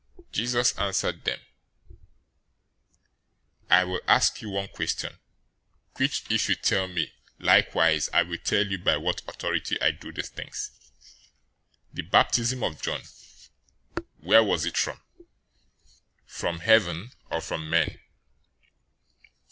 021:024 Jesus answered them, "I also will ask you one question, which if you tell me, I likewise will tell you by what authority I do these things. 021:025 The baptism of John, where was it from? From heaven or from men?"